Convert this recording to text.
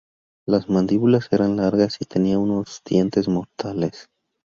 Las mandíbulas eran largas y tenía unos dientes mortales.